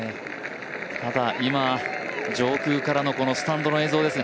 ただ、今、上空からのこのスタンドの映像です。